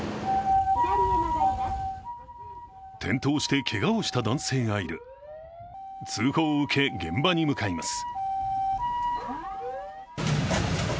転倒してけがをした男性がいる、通報を受け現場に向かいます。